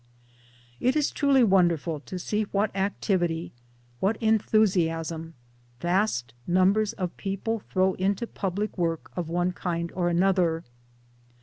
It is truly wonderful tOj see what activity, what enthusiasm^ vast numbers of people throw into public work of one kind or another.